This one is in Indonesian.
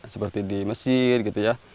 seperti di mesir gitu ya